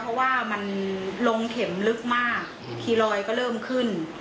เพราะว่ามันลงเข็มลึกมากคีรอยก็เริ่มขึ้น